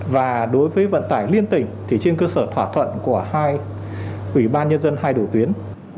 và đối với vận tải liên tỉnh thì trên cơ sở thỏa thuận của hai ủy ban nhân dân hai đổ tuyến